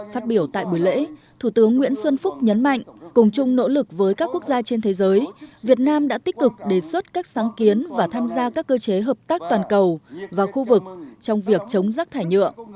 phát biểu tại buổi lễ thủ tướng nguyễn xuân phúc nhấn mạnh cùng chung nỗ lực với các quốc gia trên thế giới việt nam đã tích cực đề xuất các sáng kiến và tham gia các cơ chế hợp tác toàn cầu và khu vực trong việc chống rác thải nhựa